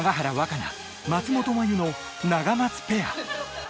可那、松本麻佑のナガマツペア。